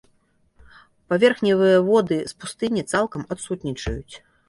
Паверхневыя воды з пустыні цалкам адсутнічаюць.